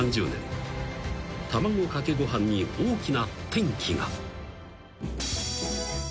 ［卵かけご飯に大きな転機が］